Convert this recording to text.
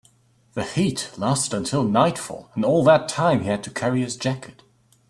The heat lasted until nightfall, and all that time he had to carry his jacket.